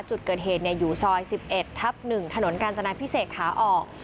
จุดเกิดเหตุอยู่ซอย๑๑๑ถนนกรรจนัดพิเศษค้าออก